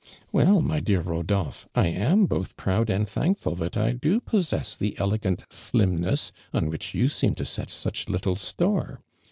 ''•' Well, my dear Uod()li)he, I am both proud and thankful that I do possess the elegant i liiiiness on which you seem to set .such little store.